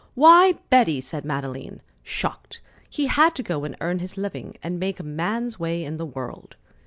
"Why, Betty!" said Madeleine, shocked. "He had to go and earn his living and make a man's way in the world."